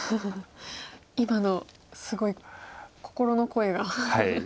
今のすごい心の声が。